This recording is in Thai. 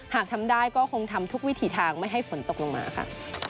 หากทำได้ก็คงทำทุกวิถีทางไม่ให้ฝนตกลงมาค่ะ